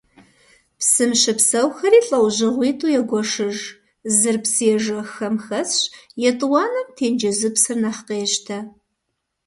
Псым щыпсэухэри лӏэужьыгъуитӏу егуэшыж: зыр псыежэххэм хэсщ, етӏуанэм тенджызыпсыр нэхъ къещтэ.